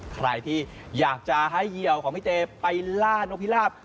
ใครที่อยากจะให้เหยียวของพี่เจไปล่านกพิราบ